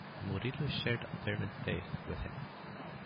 Murillo shared a fervent faith with him.